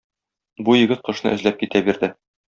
Бу егет кошны эзләп китә бирде.